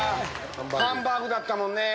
ハンバーグだったもんね。